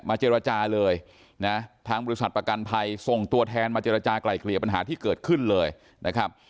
เจรจาเลยนะทางบริษัทประกันภัยส่งตัวแทนมาเจรจากลายเกลี่ยปัญหาที่เกิดขึ้นเลยนะครับ